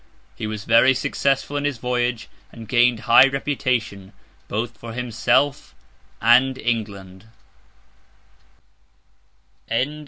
He was very successful in his voyage, and gained high reputation, both for himself and England.